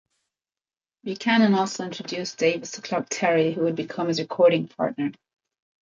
Buchanan also introduced Davis to Clark Terry, who would become his recording partner.